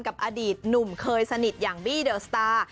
กับอดีตหนุ่มเคยสนิทอย่างบี้เดอร์สตาร์